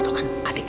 tenteng yang budi